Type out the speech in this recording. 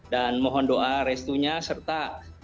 dan mohon doa restunya serta